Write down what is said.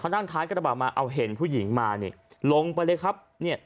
นั่งท้ายกระบะมาเอาเห็นผู้หญิงมานี่ลงไปเลยครับเนี่ย